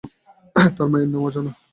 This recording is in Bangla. তার মায়ের নাম অজানা।